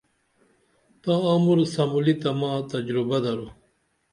تاں عمر سملی تہ ما تجرُبہ درو